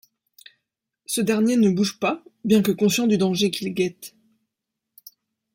Ce dernier ne bouge pas, bien que conscient du danger qui le guette.